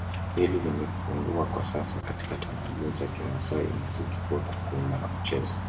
hili limepungua kwa sasa katika tamaduni za Kimasai muziki huwa kwa Kuimba na kucheza